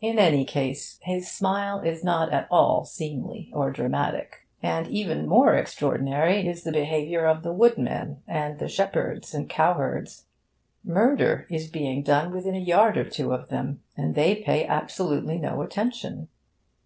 In any case, his smile is not at all seemly or dramatic. And even more extraordinary is the behaviour of the woodmen and the shepherd and the cowherds. Murder is being done within a yard or two of them, and they pay absolutely no attention.